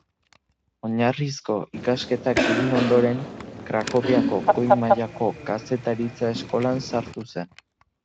Oinarrizko ikasketak egin ondoren, Krakoviako goi-mailako kazetaritza-eskolan sartu zen.